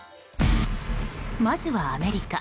まずはアメリカ。